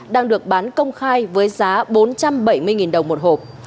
đang được bán công khai với giá bốn trăm bảy mươi đồng một hộp